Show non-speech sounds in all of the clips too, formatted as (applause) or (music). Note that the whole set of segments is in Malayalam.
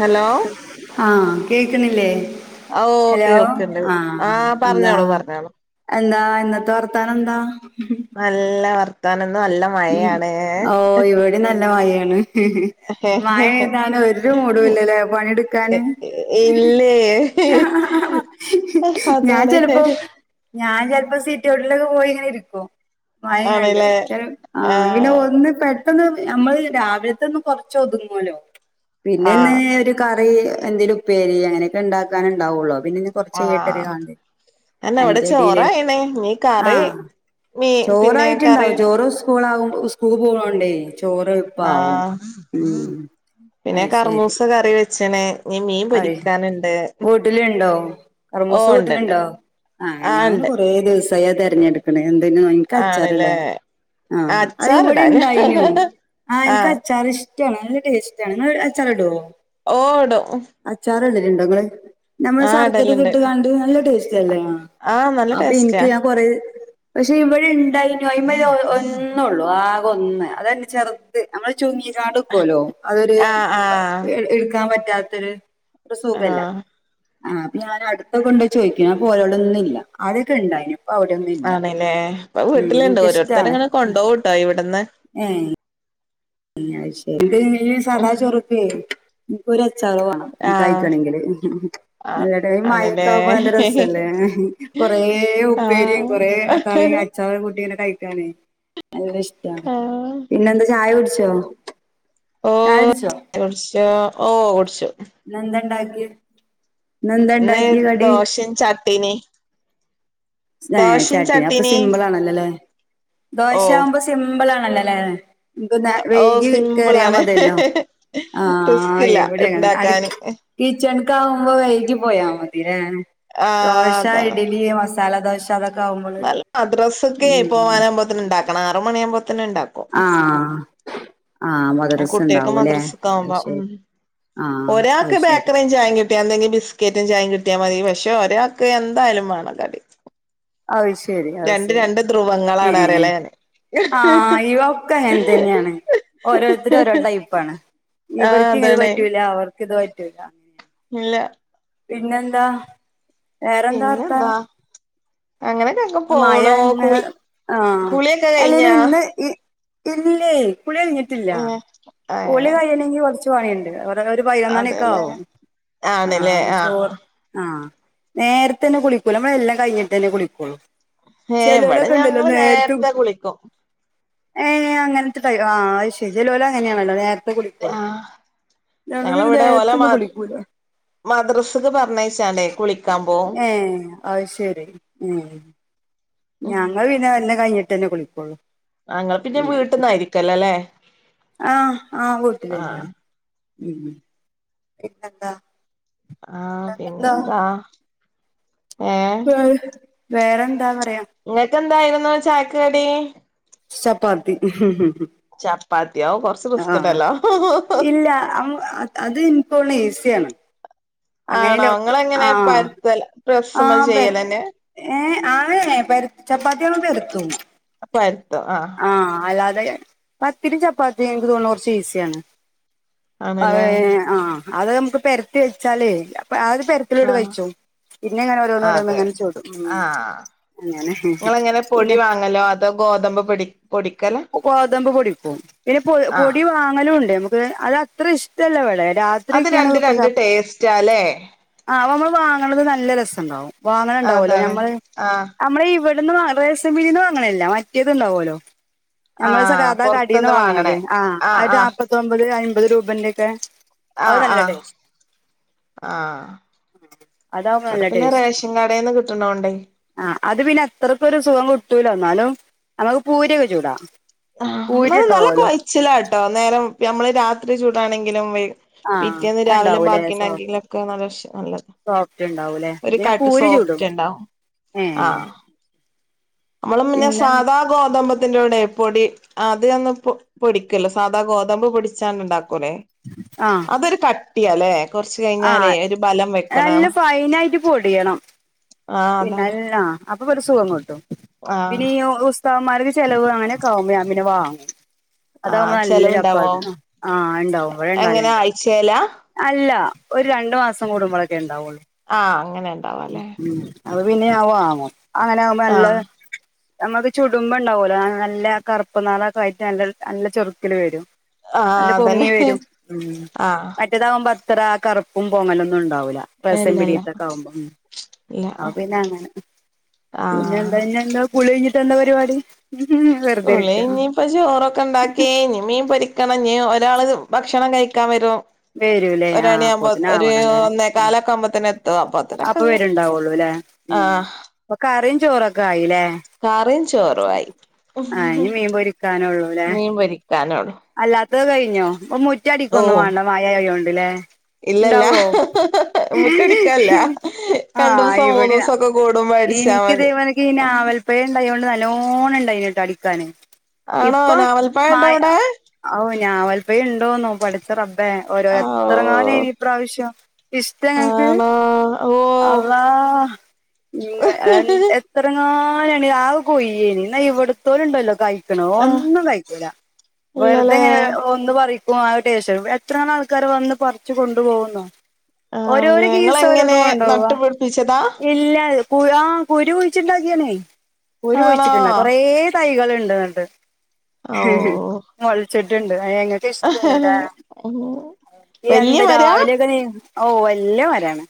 ഹലോ ആഹ് കേക്കണില്ലേ? ഓ ഹലോ കേൾക്കണ്ട് ആ ആഹ് എന്താ? പറഞ്ഞോളൂ പറഞ്ഞോളൂ എന്താ ഇന്നത്തെ വർത്താനം എന്താ? നല്ല വർത്താനം ഇന്ന് നല്ല ഉം മഴയാണ്. ഓ ഇവിടെ നല്ല മഴയാണ് മഴ ആയതുകാരണം ഒരു മൂടുവില്ലല്ലേ പണിയെടുക്കാന് ഇല്ലേ ഞാൻ അതാണ് ചെലപ്പോ ഞാൻ ചെലപ്പോ സിറ്റ് ഔട്ടിലൊക്കെ പോയിങ്ങനെ ഇരിക്കും മഴേം കണ്ട്. ആണല്ലേ (unintelligible) ആ പിന്നെ ഒന്ന് പെട്ടെന്ന് നമ്മള് രാവിലത്തെ ഒന്ന് കൊറച്ച് ഒതുങ്ങുവല്ലോ പിന്നെ ആ ഇന്ന് ഒരു കറി എന്തേലും ഉപ്പേരി അങ്ങനെയൊക്കെ ഉണ്ടാക്കാനേ ഉണ്ടാവുള്ളൂ. പിന്നെന്നെ പ്പൊ കൊറച്ച് ആ കേട്ടര് ആണ്ട് അന്നെ ഇവിടെ അതിന്റെടേയില് ചോറായിണേ നീ ആ കറി മീ പിന്നെ കറി ചോറായിട്ടുണ്ടാവും ചോറ് സ്കൂള ആകുമ്പ സ്കൂൾ പോവണ്ടേ ആ പിന്നെ കർമൂസ കറി വെച്ചണേ അ വീട്ടിലൊണ്ടോ ഓ കറമൂസ ഉണ്ട്ണ്ട് വീട്ടിലുണ്ടോ? ആ ഞാൻ കൊറെേ ദിവസായിത് തെരഞ്ഞെടുക്കണ എന്തെന് എനക്ക് അച്ചാർ ആണല്ലേ ഇടാൻ. ആ അത് ഇവിടെ അച്ചാറിടാന് ഉണ്ടായിനോ ആഹ് എനക്ക് അച്ചാറ് ഇഷ്ടമാണ് നല്ല ടേസ്റ്റാണ്. അച്ചാറ്ട്വോ ഓടും അച്ചാറ് ഇടല്ണ്ടോ നിങ്ങള് നമ്മള് ആഹ് ശർക്കരയൊക്കെ ഇടലുണ്ട് ഇട്ട് കാണ്ട് നല്ല ടേസ്റ്റ് ല്ലല്ലേ ആഹ് നല്ല അപ്പൊ ടേസ്റ്റാ എന്ക്ക് ഞാൻ കൊറെ പക്ഷെ ഇവ്ടെ അയ്ന്മേല ഒന്നുള്ളൂ ആകെ ഒന്ന് അത് തന്നെ ചെറുത് നമ്മൾ ചുങ്ങിക്കാട്ക്വലോ അതൊരു ആഹ് ആഹ് എടുക്കാൻ പറ്റാത്തൊരു പ്പം സുഖാല്ല ആഹ് ആ അപ്പ ഞൻ അടുത്തക്കെ കൊണ്ടോ ചോദിക്ക ആ പോലളൊന്നുമില്ല ആരൊക്കെ ഉണ്ടായിനു ആണല്ലേ ഇപ്പൊ വീട്ടിലുണ്ട്ോ ഓരോരുത്തർങ്ങനെ കൊണ്ടപോട്ടോ ഇവിടുന്ന് ഏത് ന ഉം സദാ ചറുക്കൊ ചിലവാണ് ആഹ് കഴക്കയാണെങ്കില് ആഹ് നല്ലട മയക്ക ആണല്ലേ ആാവുമ്പോ നല്ല രസല്ലേ കൊറെ ഉപ്പേരിയും ആഹ് കൊറെേ കറിയും അച്ചാറ കുട്ടിനെ കഴിക്കാനേ അല്ല ഇഷ്ട ആഹ് പിന്നെന്താ ചായ കുടിച്ചോ ഓ ചായ കുടിച്ചോ കുിച്ച ഓ കുടിച്ചു ഇന്ന് ഇന്ന്ന്തണ്ടാക്കി കടി ദോശയും ചട്ടിനി ഹ ദോശയും ചാട്ടി അപ്പൊ ചട്ടിനി സിമ്പിൾ ആണല്ലോല്ലേ ഓഹ് ദോശയാവുമ്പോ സിമ്പിൾ ആണല്ലോല്ലേ നക്ക് ഓ വൈകി കേറിയാ സിമ്പിളാണ് മതില്ലോ ആ റിസ്ക് ഇല്ല എവിടെങ്ങനെ ഇണ്ടാക്കാന് അടുഈച്ചെ ുമ്പോ വ പോയാ മതില്ല ആ ദോശ അതാണ് ഇി ജലദോശ അതൊക്കെ ആവുമ്പോള് ബസ്സക്കെ ഉം പോവാനാകുമ്പോത്തെ ഇണ്ടാക്കണം ആറ മണിയ ആവുമ്പോത്തനെ ഉണ്ടാക്കും ആഹ് ആഹ് ആ മദ്രസ കുട്ടിയൊക്കെ ഉണ്ടാവൂല്ലേ മദ്രസക്ക അത് ആവുമ്പ ഉ ശരി ആഹ് അത് ഒരാക്ക് ശരി ബേക്കറിയും ചായ കിട്ടിയ എന്തെങ്കിൽ ബിസ്ക്കറ്റും ചായ കിട്ടിയ കട്ടിയ മതി പക്ഷെ ഒരാൾക്ക് എന്തായാലും വേണം കടി അത് ശരി അത് രണ്ട് ശരി രണ്ട് ഏ ധ്രുവങ്ങളാണ് അറിയലാ ഞാന് ആ ഇവ ഒക്കെ എന് തന്നെയാണ് ഓരോരുത്തരും ഓരോ ടൈപ്പാണ് ആ ഇവർക്കും ഇത് അതാണ് പറ്റൂല അവർക്ക ഇത് പറ്റൂില്ല അങ്ങന ഇല്ല പിന്നെെന്താ വേറെന്താ പിന്നെന്താ വർത്താനം അങ്ങനെയൊക്കെ മായ പോണു കുളി ഇങ്ങനെആ കുളിയൊക്കെ അല്ലെങ്കും കഴിഞ്ഞാ ഇന്ന് ഈ ഇല്ലേ കുളി കഴിഞ്ഞിട്ടില്ല ഏഹ് ഒളി ഏഹ് കയണെങ്കി കുറച്ച്ു പണിയണ്ട് ഒരു പതിനൊന്നണിയൊക്കെ അതെല്ലേ ആവുംും ആ ആണ്ല്ലേ ആഹ് ചോറ് ആഹ് ആ നേരത്തെ തന്നെ കുളിക്കൂൂ നമ്മള എല്ലാം കഴിഞ്ഞിട്ട് തന്നെ കുളിക്കളൂ ഏ ഇവിടെ ഞങ്ങള് നേരത്തെ കുളിക്കും ഏ അങ്ങനത്തെടൈ ആ ശ ജലല അങ്ങനെയാണല്ലോ നേരത്തെ കുൂിക്കലോ ആഹ് ഞങ്ങ വീട് ഞങ്ങളിവിടെ ഓലെ മ നേത്തൊന്നും പളിക്കൂല മദ്രസക്ക് പറഞ്ഞഴച്ചാണ്ടേ കുളിക്കാ പോോ ഏഹ് ഉം ഞങ്ങൾ പിന്നെ എന്നന്നെ കഴിഞ്ഞിട്ട് തന്നെ കുളിക്കോുള്ളൂ അങ്ങള് പിന്നെ വീട്ടന്നായിയിരിക്കല്ലോ അല്ലേ ആ ആഹ് വൂട്ടില് തന്നെയാണ് ഉം പിന്നെന്താ ആ വേറെന്താ പിന്നെന്താ വേറെന്താവാ നിങ്ങക്ക് എന്തായിരുന്നു ചായക്ക് കടി ചപ്പാത്തി ഉംഹ് ചപ്പാത്തിയോ കൊറച്ച് ആ റിസ്ക് (unintelligible) ഇണ്ടല്ലോ ഇല്ല അത് ഇപ്പോള ആണോ അങ്ങനെല്ല ആ ഇങ്ങളെങ്ങനെ (unintelligible) പരത്തൽ ആ പ്രസ്സ്മ്മെ പെര ചെയ്യലെന്നെ ഏ ആ പെരത്തു ചപ്പാത്തി അമ്മ പെരുത്തും പരത്തും ആ പത്തിരിയും ചപ്പാത്തിയും എനിക്ക് തോന്നും കുറച്ച് ഈസിയാണ് അവ ആണ്ല്ലേ ആ അത് നമുക്ക് പെരത്തി വെച്ചാല് അപ്പൊ അയൊരു പെരത്തിലോടെ ആഹ് കഴിച്ചോവും പിന്നെ ഞാൻ രോന്നോരോന്ന് എങ്ങനെ ചൂടും ഉം അങ്ങനെ നിങ്ങൾ എങ്ങനെ പൊടി പിന്നെ വാങ്ങല്ലോ അതോ ഗോതമ്പ് പൊടി പൊടി ഗോതമ്പ് പൊടിക്കും പോടിക്കും പിന്നെ ആഹ് പൊടി വാങ്ങലും ഉണ്ട്നമുക്ക് അത് അത്ര ഇഷ്ടമല്ലഇവിടെ രാത്രി അത് ഒക്കെയാണ് രണ്ട് ഇപ്പൊ രണ്ട് കപ് ടേസ്റ്റാല്ലേ ആ അപ്പ നമ്മൾ വാങ്ങണത് നല്ല രസഇണ്ടാവും വാങ്ങണണ്ടാവല്ലോ അതാണ് നമ്മള് ആഹ് നമ്മള ഇവിടെ ഇവിടുന്ന് വങ്ങ റേഷൻപിടിയനു വാങ്ങനയല്ല മറ്റേത് ഉണ്ടാവുലോ നമ്മള് ആഹ് സകാതാ കാടിന്ന് പൊറത്ത്ന്ന് വാങ്ങണത് വാങ്ങണേ ആ ആഹ് അത് ആഹ് നാല്പത്തൊമ്പത് അയ്ബ ത് രൂപന്റെ ഒക്കെ ആ അത് നല്ല ആ ടേസ്റ്റ് ആ അതാവുമ്പോ ഇവിടെ നല്ല പിന്നെ റേഷൻ കടേന്ന് കിട്ടണോണ്ടേ ആ അത് പിന്നെ അത്രക്ക് ഒരു സുഖം കട്ടൂല എന്നാലും നമുക്ക് പൂരയൊക്കെ ചുടാം ആ എന്ന നല്ല കൊഴച്ചിലാട്ടോ നേരം നമ്മള് രാത്രി ചൂടാണെങ്കിലും ആഹ് പിറ്റേന്ന് രാവിലെ ഉണ്ടാവൂലേ സോ ബാക്കിണ്ടങ്കിലും ഒക്കെ നല്ല ഉഷ നല്ലത് സോഫ്റ്റ് ഉണ്ടാവൂലേ ഒരു പിന്നെ കട്ട് പൂരി ചൂടും സോഫ്റ്റ് ഉണ്ടാവും ആ ഉ (inaudible) നമ്മള പിന്നെ സാധാ ഗോ ഗോതമ്പത്തിന്റെകൂടെപ്പൊടി അത്അ ന്ന് പൊടി പൊടിക്കല്ലോ സാധാ ഗോതമ്പ് പൊടിച്ചാണ ഉണ്ടാവ ഉലെ ആഹ് അതൊരു കട്ടിയല്ലെ കൊറച്ച് കഴിഞ്ഞാലേ ആഹ് ഒരു ബലം നല്ല വെക്കണം പിന്നെല്ല അപ്പൊ ഒരു സുഖം കിട്ടും ആഹ് പിന്നെ ഇ ഓ ഇപ്പൊമാർക്ക് ചെിലവ് അങ്ങനെെക്കആവുമ്പോ ഞൻ പിന്നെ വാങ്ങും അതകുമ്പോ ആഹ് നല്ല ചെലവുണ്ടാവോ ചപ്പാത്തി ആ ഉണ്ടാവും ഇവിടെ എങ്ങനെ ഉണ്ടാലുണ്ട് ആഴ്ചേലാ അല്ല ഒരു രണ്ടു മാസം കൂടുമ്പോഴൊക്കെ ഉണ്ടാവുള്ളൂ ആ അങ്ങനെ ഇണ്ടാവും അല്ലേ അത് പിന്നെ ആവോ ആവോ അങ്ങനെ ആവുമ്പോ നല്ല ആഹ് നമ്മുക്ക് ചുടുമ്പ ഉണ്ടാവൂലോ നല്ല കറുപ്പ്നാളൊക്കെ ആയിട്ട് നല്ല നല്ല ചെറുക്കില് വരും ആഹ് അല്ല പൊങ്ങി അതന്നെ വരും മ്മ് ആഹ് ആവുമ്പോ അത്ര കറുപ്പും പോങ്ങലൊന്നും ഉണ്ടാവൂ രസ്യം ഇല്ലല്ല പിടിീത്തക്ക ആകുമ്പോ ഇല്ല (unintelligible) അപ്പൊ പിന്നെ അങ്ങനെ പിന്നെ ആഹ് എന്താ എന്താ കുളികിഞ്ഞിട്ട് എന്താ പരിപാടി വെറുതെ ഇരിക്ക കുളികഴിഞ് ഇനിയിപ്പ ചോറൊക്കെ ഉണ്ടാക്കി ഇനി മീൻ പൊരിക്കണമ് ഇനി അവർക്ക് വല്യആള് ഭക്ഷണം കഴിക്കാൻ വരുവോ വരൂല്ലേ ആഹ പൊതിന ആവണ അല്ലേ ആ ഒന്നേകാലൊക്കെ ആവുമ്പോത്തന്നെ എത്തും അപ്പത്തിനൊക്കെ അപ്പൊ നീ വരെണ്ടാവുള്ളൂ അല്ലേ ഉം ആഹ് അപ്പൊ കറിയും ചോറൊക്കെ ആയില്ലേ കറിയും ചോറും ആയി ആ ഇനി മീൻപൊക്കാന ഉള്ളൂല്ലേ മീൻ പൊരിക്കാനുള്ളു അല്ലാത്ത ഇത് കഴിഞ്ഞോ ഇപ്പ മുറ്റ അടിക്കൊന്നും ഓഹ് വേണ്ട മായ കഴോണ്ടല്ലേ ഇല്ലല്ല ഉണ്ടാവോ ഏ മുറ്റടിക്കല്ല ഹി ആ രണ്ടൂസം ഇവിടെയാ മൂന്നൂസം ഒക്കെ കൂടുമ്പോ അടിച്ചാ എനിക്ക് മതി ഇതേവോണക്ക ഇ ആവൽപ്പഴം ഉണ്ടായോണ്ട് നല്ലോണം ഉണ്ടായിന്ട്ടോ അടിക്കന് ഇ ആണോ പ്പോം നാവൽപ്പഴണ്ടോ മഴ അവിടെ ഞാ വല്പ്പം ഉണ്ടോന്നോ പഠിച്ച റബ് അ ഓരോ എത്രങ്ങാന ആഹ് ഇനിപ്രാവശ്യം ഇഷ്ട ഞങ്ങക്ക് ആണോ ഓഹ് അല്ലാ എത്രങ്ങ ആാണ് രാവ് കൊയ്യേനിാ ഇവിടത്തോല ഉണ്ടല്ലോ കൈ ആഹ് ഒന്നും കഴക്കൂല വെറുതെ ഇല്ലലേ എങ്ങനെ ഒ ന്ന് പറയും ആട്ട ശേഷം എത്രാളം ആൾക്കാർ വന്ന് പറച്ച്ു കൊണ്ടു പോോകുന്നുോ ഓരോോ ആണല്ലേ കേീസ് അവര അത ഇങ്ങളെങ്ങനെ കൊൊണ്ട പോോവാ നട്ടുപിടിപ്പിച്ചതാ ഇല്ല കു ആ കുരു കുഴിച്ചിണ്ടാക്കിയണേ കുരു ആണോ കുഴിച്ചിട്ടുണ്ട കൊറെ തൈകൾുണ്ട് ഉണ്ട്ണ്ട് ഓഹ് മുളച്ചെട്ട ഉണ്ട് ങ്ങക്ക് ഇഷ്ട ഇവിടാക്ക് വല്യ എന്താ മരാ രാവിലൊക്കെ ന ഓ വല്ല വരാണ്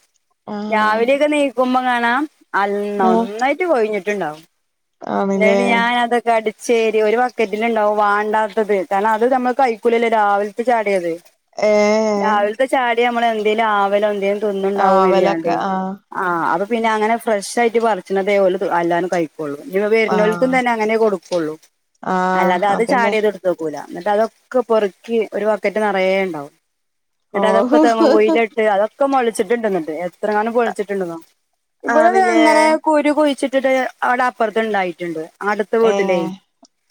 ആഹ് രാവിലെയൊക്കെ നീക്കുമ്പോ കാണാം അ ആഹ് ഒന്നായിട്ട് കൊഴിഞ്ഞിട്ടുണ്ടാവും ആണ്ല്ലേ എന്ന ഞാൻ അതൊക്കെ അടി ശരി ഒരു ബക്കറ്റിൽ ഉണ്ടാവും വേണ്ടാത്തത് കാരണം അത് നമ്മള് കഴിക്കൂലല്ലേ രാവിലത്തെ ചാടിയത് ആഹ ഇത് നമ്മ എന്തെലും ആവലോ എന്തെങ്കലും ന്നണ്ടവോ ആഹ് വലൊക്കെ ആഹ് കാരികംണ്ട് പിന്നെ അങ്ങനെ ഫ്രഷ് ആട്ട് പറിച്ചണതേ പോല അല്ലും കഴിക്കൊള്ളൂ ഇ വരുന്നോൽക്കും ആഹ് തന്നെ അങ്ങനെ കൊടുക്കും ള്ളൂ ആഹ് അല്ലാതെ അത് ചാട അതന്നെ ചെയ്ത് എടുത്ത നോക്കൂല എന്നിട്ട് അതൊക്കെ പൊറുക്കി ഒരു ബക്കറ്റ് നിറയേ ഉണ്ടാവും ന്നിട്ട് അതൊക്കെ ഓഹ് തെങ്ങും കുയ്യില് ഇട്ട് മൊളച്ചിട്ടുണ്ട് എന്നിട്ട് എത്ര കാലം മൊളച്ചിട്ടുണ്ടെന്നോ ഇവിടെ ആണ്ല്ലേ എങ്ങനെ കുരു കുഴിച്ചിട്ട ത് അവിടെ അപ്പുറത്ത് ഉണ്ടായിട്ടുണ്ട് അടുത്ത വീട്ടിലേ ഏഹ്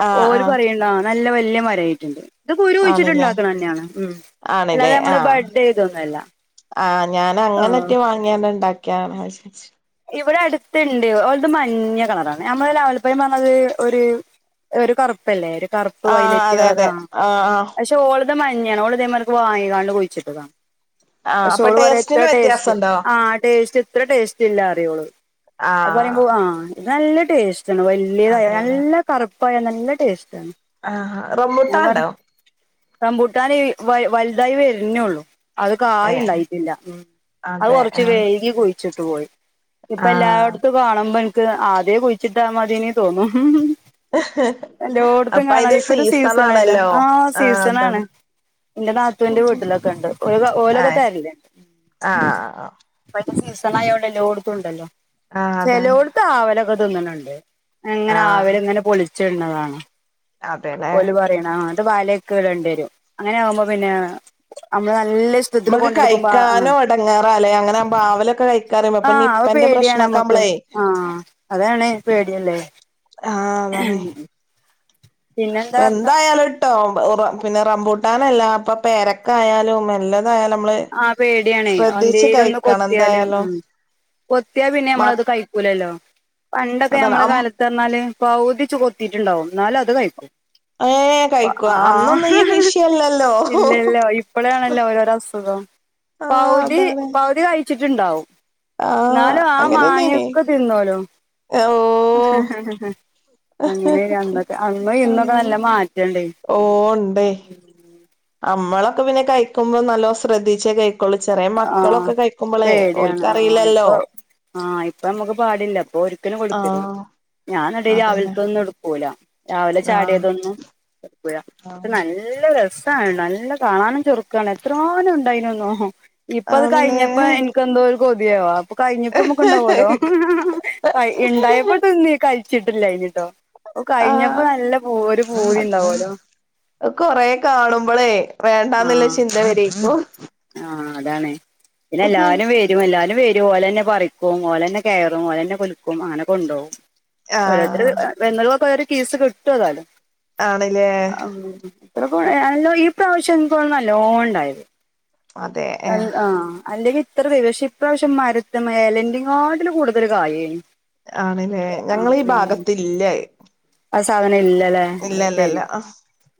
ആഹ് ഓര് ആഹ് പറയുന്നാ നല്ല വല്യ മരായിട്ടുണ്ട് ഇത് കുരു ആണ്ല്ലേ കുഴിച്ചിട്ടുണ്ടാക്കണ തന്നെയാണ് ഉം അല്ലാതെ ആണ്ല്ലേ നമ്മള് ആഹ് ബഡ് ചെയ്തൊന്നുമല്ല ആഹ് ഞാൻ ആഹ് അങ്ങനെറ്റെ വാങ്ങിയ ഇണ്ടാക്കിയ വിചാരിച്ചു ഇവിടെ അടുത്തുണ്ട് ഓലത് മഞ്ഞ കളറാണ് ഞമ്മളെ നാവലിപ്പഴം പറഞ്ഞത് ഒരു ഒരു കറുപ്പല്ലേ ഒരു കറുപ്പ് ആഹ് വൈലറ്റ് അതെ കളർ അതെ ആ ആഹ് ആഹ് പക്ഷെ ഓള് ത് മഞ്ഞ ആണ് ഓൾ ഇതേമാര്ക്ക് വാങ്ങാണ്ട് കുഴിച്ചിട്ട്താ ആഹ് പക്ഷേ അപ്പൊ ഓൾ പറയാ ഇത്ര ടേസ്റ്റിന് ടേസ്റ്റ് വ്യത്യാസണ്ടോ ആഹ് ടേസ്റ്റ് ഇത്ര ടേസ് റ്റ് ഇല്ലാ പറിം ഓൾ ആപ്പ പറിം ആഹ് ഞമ്മെൾ വാ ഇത് നല്ല ടേസ്റ്റ്ണ് വല്ല്യെത് ആയിണ് അതെല്ലേ നല്ല കറ് പ്പായാ നല്ല ടേസ്റ്റ് ആണ് ആഹ് ഞാ പറയാ റംബുട്ടാണ്ടോ റമ്പൂട്ടാന് ഈ വൽ വൽ തായി വെര്ന്നൊള്ളു അയ് കായി ഏഹ് ഇണ്ടായിട്ട് ഇല്ല അത് അതെ കൊർച്ച് ആഹ് വൈകി കുഴ് ച്ച്ട്ട് പോയി ഇഞ്ഞ് ഇപ്പം ആഹ് എല്ലാട്ത്തും കാണുമ്പം ഇൻ ക്ക് ആദ്യെ കുഴ്ച്ചിട്ടാ മതെയ്നി തോന്നും എല്ലോട്ത്തും അപ്പൊ കാണാ അയിന്റെ ഇപ്പ ഒരു സീസൺ സീസെണ് അല്ലേ ആണല്ലോ ആഹ് സീസെണ് ആണ് ഇന്റെ നാത്തുന്റെ വീട്ട്ലൊക്കെ ഇണ്ട് ഓലൊക്കെ ഓലൊക്കെ ഏഹ് തെര്ൽ ഇണ്ട് ആഹ് ഇപ്പ സീസെണ് ആയോണ്ട് എല്ലോട്ത്തും ഇണ്ടല്ലോ ആഹ് അതാണ് ചെലോട്ത്ത് ആവലൊക്കെ തിന്ന്ണ് ഇണ്ട്. അങ്ങെനെ ആഹ് ആവെൽ ഇങ്ങെനെ പൊൾച്ച് ഇട്ണ് കാണാ അതെല്ലേ ഓൽ പറിണെ ആഹ് ഇന്നെട്ട് വല ഒക്കെ ഇടെണ്ടി വെരും അങ്ങനെ ആവുമ്പോ പിന്നെ അമ്മെൾ നൻ മ്മെക്ക് കഴിക്കാനും എടങ്ങെറാലെ അങ്ങനെ ആവുമ്പം ആവലൊക്കെ കഴിക്കാ പറിമ്പം ഇപ്പം നിപ്പെന്റെ പ്രശ്നം അമ്മെക്ക് ആഹ് അതാണ് പേടി അല്ലെ? ആഹ് അതാണ് എന്തായാലും ട്ടോ (unintelligible) പിന്നെ റംമ്പൂട്ടാന് അല്ല ഇപ്പ പേരക്കായാലും എല്ലെതും ആഹ് പേടിയാണെ ഓ എന്തെലും ഒന്ന് കഴിക്കണം കൊത്തിയാൽ എന്തായാലും ഉം കൊത്തിയാ പിന്നെ മ ഞമ്മെൾ അത് കഴിക്കൂലല്ലോ പണ്ടൊക്കെ അതാണ് നമ്മെളെ അം കാലെത്ത് പർണാൽ പൗതിച്ച് കൊ ത്തിട്ട് ഇണ്ടാവും ഇന്നാലും അത് കഴിക്കും ഏഹ് കഴിക്കുവ അന്നൊന്നും ഈ ആഹ് വിഷയല്ലല്ലോ ഇല്ലല്ലോ ഇപ്പളാണെല്ലോ ഓരോര അസു ഖം ആഹ് പൗതി അതാണ് പൗതി കഴിച്ച്ട്ട് ഇണ്ടാവും ആഹ് ഇന്നാലും ആ അങ്ങനെന്നേനി മാങ്ങൊക്കെ തിന്നോലോ ഓ അങ്ങനെയ്നി അന്നൊക്കെ അന്നും ഇന്നൊക്കെ അമ്മ നല്ല മാറ്റം ഇണ്ടെയ് മ്മെളൊക്കെ പിന്നെ കഴിക്കുമ്പോ നല്ലോം ശ്രദ്ധിച്ചെ കഴി ക്കൊള്ളു ചെറെ ആഹ് മക്കളൊക്കെ കഴിക്കുമ്പെളെ പേടിയാണ് ഓൽക്ക് ആഹ് അറീലല്ലോ ഇപ്പൊ ആഹ് ഇപ്പ അമ്മെക്ക് പാടില്ല ഇപ്പം ഒരിക്കെലും കൊട്ക്കെരുത് ആഹ് ഞാ ഇന്നെട്ട് ഈ അതന്നെ രാവിൽത്തൊന്നും ഇട്ക്കൂലാ രാവിലെ ആഹ് ചാട്യയതൊന്നും (unintelligible) പ്പോഴഇപ്പ ആഹ് നല്ല രസ് നല്ല കാണാനും ചൊറുക്കാണ് എത്ര ങ്ങാനു ഇണ്ടായിനുന്നോ ഇപ്പ അത് ആണ്ല്ലേ കഴിഞ്ഞപ്പോ എനിക്ക് എന്തോ ഒര് കൊതിയാവാ കഴിഞ്ഞപ്പോ ക്മ്മുക്ക് ഇണ്ടാവോലോ ക ഇണ്ടായപ്പോ തിന്നി കഴിച്ചിട്ട്ല്യേ നി ട്ടോ ഓ കഴിഞ്ഞപ്പോ ആഹ് നല്ല പൂ ഒരു പൂതി ഇണ്ടാവോലോ കൊറേ കാണുമ്പളെ വേണ്ടാന്ന്ല്ല ആഹ് ചിന്ത വരേക്കും ആഹ് അതാണെ പിന്നെ എല്ലാരും വരും എല്ലാരും വര് ഓലെന്നെ പറിക്കും ഓലെന്നെ കേറുംഓലെന്നെ കുല്ക്കും അങ്ങനെ കൊണ്ടോവും ഓരോരുത്തര് ആഹ് വന്നൊക്കെ കേസ് കിട്ട്വാതാലോ ആണ്ല്ലേ ഇത്രക്കൊ ഈ പ്രാവശ്യം ഇൻക്കോന്ന്ണെ നല്ലോൺ ഇണ്ടായത് അതെ അൽ ഏഹ് ആഹ് അല്ലെ വി ഇത്ര വിവെശ് ഇപ്രാവശ്യം മരത്ത്മേല എലെന്റെറെ കാട്ടിലു കൂടുതൽ കായേ നി ആണ്ല്ലേ ഞങ്ങളെ ഈ ഭാഗത്ത് ഇല്ലഹ് ആ സാധനം ഇല്ലല്ലേ അഹ് തെരി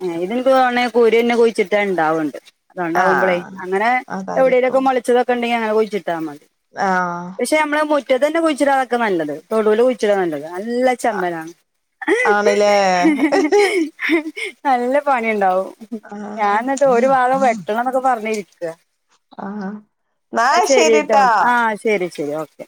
എഹ്‌ ഇന് തോന്ന്ന്നെ കുരന്നെ കുഴിച്ചിട്ട് ഇണ്ടാവ്ണ്ട് അതോണ്ടാവുമ്പളേ ആഹ് അങ്ങനേ അതായിരിക്കും എവിടേലൊക്കെ മൊളിച്ചിതൊക്കെ ിച്ചിാതി ആഹ് പക്ഷെ നമ്മ മുറ്റ തന്നെ കുഴിച്ചടാ അതൊെ നല്ല തൊടുൽ കുഴിച്ചടാ നല്ലത് നല്ല ചമ്പളം ആണ്ല്ലേ നല്ല പണി ഉണ്ടാവും ഞാൻ ആഹ് എന്നിട്ട് ഒരു വാഗം വെട്ടണം എന്നൊക്കെ പറഞ്ഞിരിക്കു ആഹ് ന്നാ എന്നാ ശരി കേട്ടോ ശരിട്ടോ ആഹ ശരി ശരി ക്കെ